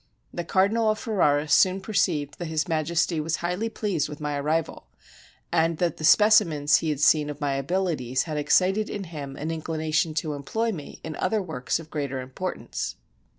The Cardinal of Ferrara soon perceived that His Majesty was highly pleased with my arrival, and that the specimens he had seen of my abilities had excited in him an inclination to employ me in other works of greater importance.